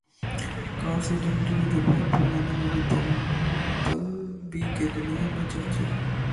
کار سے جنگجو روبوٹ بننے والی بمبل بی کے دنیا میں چرچے